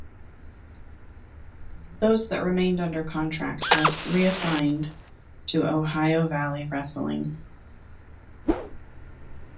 Those that remained under contract were reassigned to Ohio Valley Wrestling.